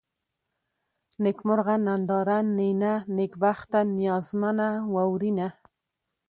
نېکمرغه ، ننداره ، نينه ، نېکبخته ، نيازمنه ، واورېنه